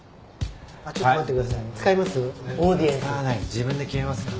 自分で決めますから。